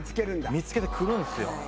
見つけて来るんですよ。